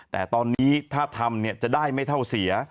แต่ตอนนี้ถ้าทำจะได้ไม่เท่าเสีย